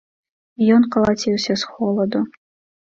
І ён калаціўся з холаду.